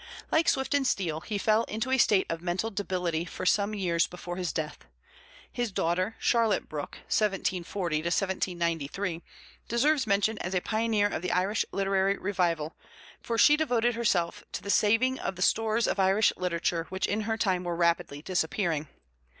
Like Swift and Steele, he fell into a state of mental debility for some years before his death. His daughter, Charlotte Brooke (1740 1793), deserves mention as a pioneer of the Irish literary revival, for she devoted herself to the saving of the stores of Irish literature which in her time were rapidly disappearing.